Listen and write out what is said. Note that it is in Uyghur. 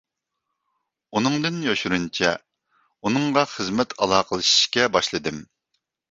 ئۇنىڭدىن يوشۇرۇنچە ئۇنىڭغا خىزمەت ئالاقىلىشىشكە باشلىدىم.